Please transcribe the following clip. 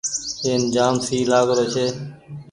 اين جآم سئي لآگ رو ڇي۔